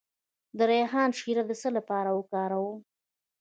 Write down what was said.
د ریحان شیره د څه لپاره وکاروم؟